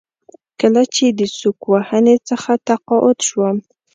کله چې د سوک وهنې څخه تقاعد شوم.